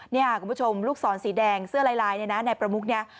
นี่คุณผู้ชมลูกศรสีแดงเสื้อลายในประมุกนี้